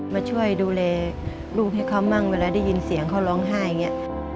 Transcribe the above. มาช่วยดูแลลูกให้เขามั่งเวลาได้ยินเสียงเขาร้องไห้อย่างนี้